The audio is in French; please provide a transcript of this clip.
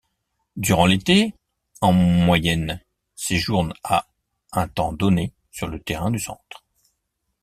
Durant l'été, en moyenne séjournent à un temps donné sur le terrain du centre.